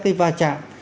cái va chạm